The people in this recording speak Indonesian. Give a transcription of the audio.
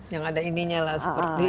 yang ada ini nya lah seperti